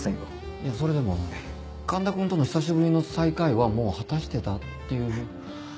いやそれでも環田君との久しぶりの再会はもう果たしてたっていう。